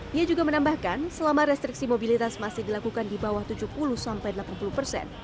dia juga menambahkan selama restriksi mobilitas masih dilakukan di bawah tujuh puluh sampai delapan puluh persen